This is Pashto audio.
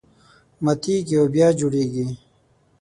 ماتېږي او بیا جوړېږي.